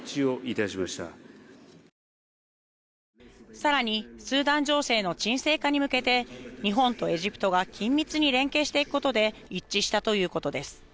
更にスーダン情勢の沈静化に向けて日本とエジプトが緊密に連携していくことで一致したということです。